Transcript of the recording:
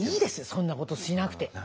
そんなことしなくて。